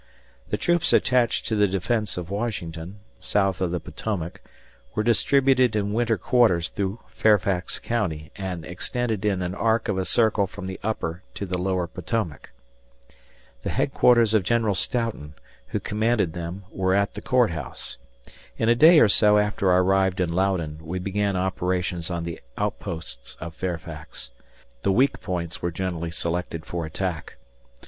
The troops attached to the defence of Washington, south of the Potomac, were distributed in winter quarters through Fairfax County and extended in an arc of a circle from the upper to the lower Potomac. The headquarters of General Stoughton, who commanded them, were at the Court House. In a day or so after I arrived in Loudoun, we began operations on the outposts of Fairfax. The weak points were generally selected for attack.